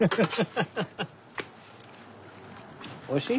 おいしい？